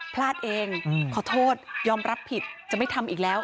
พลาดเองขอโทษยอมรับผิดจะไม่ทำอีกแล้ว